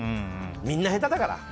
みんな下手だから。